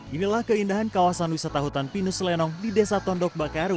inilah keindahan kawasan wisata hutan pinus lenong di desa tondok bakaru